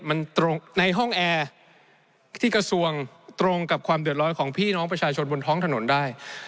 มันตรงในห้องแอร์ที่กระทรวงตรงกับความเดือดร้อนของพี่น้องประชาชนบนท้องถนนได้